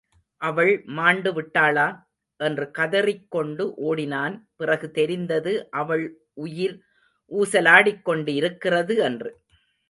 அவள் மாண்டு விட்டாளா? என்று கதறிக் கொண்டு ஓடினான், பிறகு தெரிந்தது அவள் உயிர் ஊசல் ஆடிக்கொண்டிருக்கிறது என்று.